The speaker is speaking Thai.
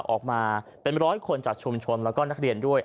ออกมาเป็นร้อยคนจากชุมชนแล้วก็นักเรียนด้วย